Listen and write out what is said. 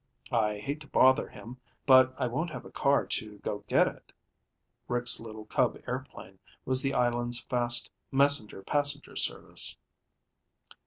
I hate to bother him, but I won't have a car to go get it." Rick's little cub airplane was the island's fast messenger passenger service.